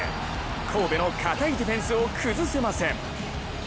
神戸の堅いディフェンスを崩せません。